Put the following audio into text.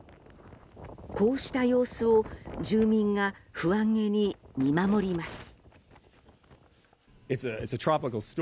こうした様子を住民が不安げに見守ります。